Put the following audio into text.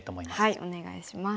はいお願いします。